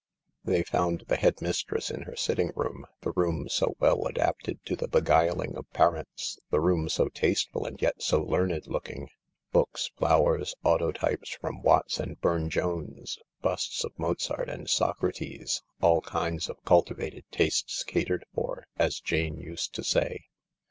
." They found the Headmistress in her sitting room— the room so well adapted to the beguiling of parents, the room so tasteful and yet so learned looking— books flowers autotypes from Watts and Burne Jones, busts of Mozart and Socrates ; "all kinds of cultivated tastes catered for " as Jane used to say.